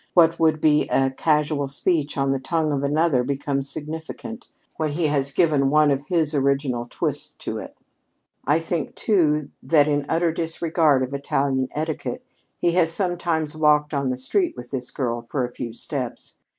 What would be a casual speech on the tongue of another becomes significant, when he has given one of his original twists to it. I think, too, that in utter disregard of Italian etiquette he has sometimes walked on the street with this girl for a few steps.